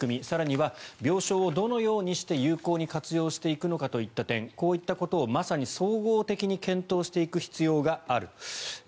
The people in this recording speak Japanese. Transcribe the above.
更には病床をどのようにして有効に活用していくのかといった点こういったことをまさに総合的に検討していく必要がある。